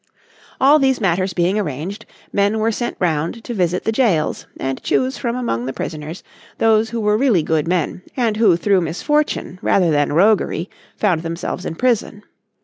All these matters being arranged, men were sent round to visit the jails, and choose from among the prisoners those who were really good men and who through misfortune, rather than roguery, found themselves in prison.